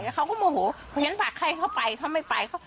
แล้วเขาก็โมโหเพราะฉันผลักให้เข้าไปเขาไม่ไป